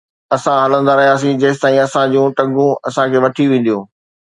اسان هلندا رهياسين جيستائين اسان جون ٽنگون اسان کي وٺي وينديون